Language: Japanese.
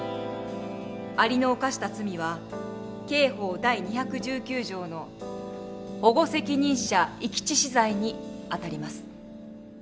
アリの犯した罪は刑法第２１９条の保護責任者遺棄致死罪にあたります。